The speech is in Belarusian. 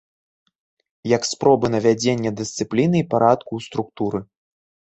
Як спробы навядзення дысцыпліны і парадку ў структуры.